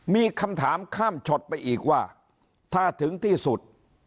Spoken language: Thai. มีคำถามข้ามช็อตไปอีกว่าถ้าถึงที่สุด